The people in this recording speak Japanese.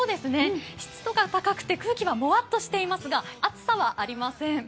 湿度が高くて空気がもわっとしてますが暑さはありません。